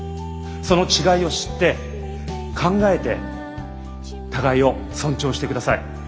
その違いを知って考えて互いを尊重してください。